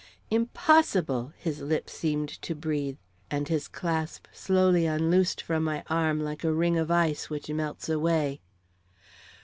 "Impossible!" his lips seemed to breathe, and his clasp slowly unloosed from my arm like a ring of ice which melts away.